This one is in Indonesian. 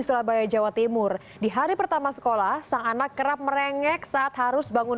surabaya jawa timur di hari pertama sekolah sang anak kerap merengek saat harus bangun